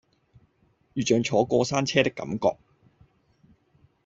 如像坐過山車的感覺